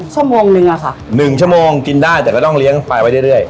ชั่วโมงนึงอะค่ะ๑ชั่วโมงกินได้แต่ก็ต้องเลี้ยงปลาไว้เรื่อย